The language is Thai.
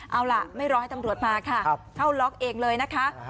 เอาล่ะไม่รอให้ตำรวจมาค่ะเข้าล็อกเองเลยนะคะ